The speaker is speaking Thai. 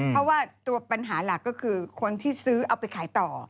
เพราะว่าตัวปัญหาหลักก็คือคนที่ซื้อเอาไปขายต่อ